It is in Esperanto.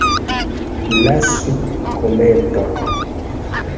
Lasu komenton!